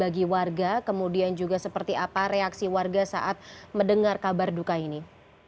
bagi warga kemudian juga seperti apa reaksi warga saat mendengar kabar duka ini